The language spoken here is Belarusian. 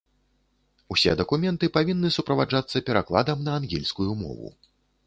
Усе дакументы павінны суправаджацца перакладам на ангельскую мову.